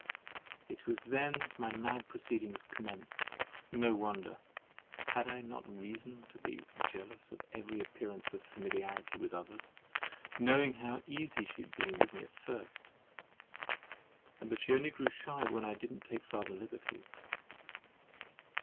It was then my mad proceedings commenced. No wonder. Had I not reason to be jealous of every appearance of familiarity with others, knowing how easy she had been with me at first, and that she only grew shy when I did not take farther liberties?